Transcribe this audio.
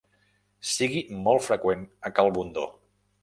Sigui molt freqüent a cal Bundó.